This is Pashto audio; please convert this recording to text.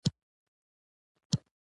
د ناموس د عظمتونو سلامي ته بخښلی دی.